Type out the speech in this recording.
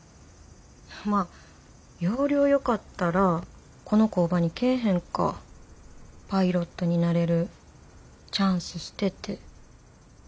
まあ要領よかったらこの工場に来ぇへんか。パイロットになれるチャンス捨てて。